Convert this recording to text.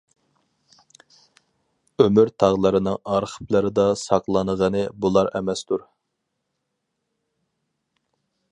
ئۆمۈر تاغلىرىنىڭ ئارخىپلىرىدا ساقلانغىنى بۇلا ئەمەستۇر.